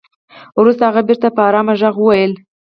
وروسته هغه بېرته په ارام ږغ وويل.